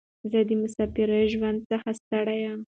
زه د مساپرۍ ژوند څخه ستړی یم.